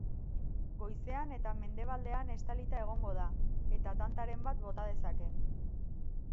Goizean eta mendebaldean estalita egongo da eta tantaren bat bota dezake.